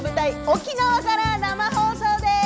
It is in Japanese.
沖縄から生放送です。